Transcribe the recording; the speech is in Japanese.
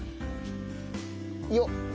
よっ！